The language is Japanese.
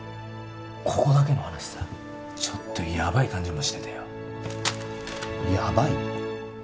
ここだけの話さちょっとヤバい感じもしててよヤバい？